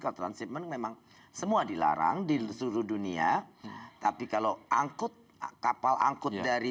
kalau transhipment memang semua dilarang di seluruh dunia tapi kalau angkut kapal angkut dari